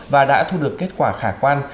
và đã thu được kết quả khả quan